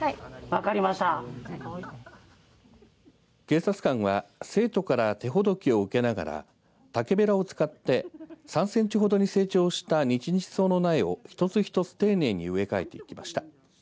警察官は生徒から手ほどきを受けながら竹べらを使って３センチほどに成長した日々草の苗を一つ一つ丁寧に植え替えていきました。